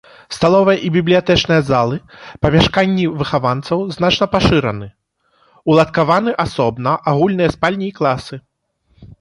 Сталовая і бібліятэчная залы, памяшканні выхаванцаў значна пашыраны, уладкаваны асобна агульныя спальні і класы.